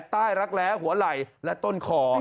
รักแร้หัวไหล่และต้นคอ